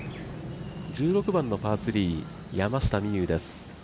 １６番のパー３、山下美夢有です。